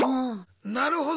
なるほど！